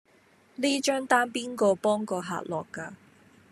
呢張單邊個幫個客落㗎